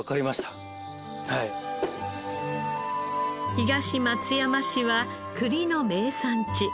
東松山市は栗の名産地。